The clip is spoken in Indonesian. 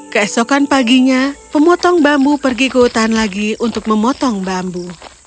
keesokan paginya pemotong bambu pergi ke hutan lagi untuk memotong bambu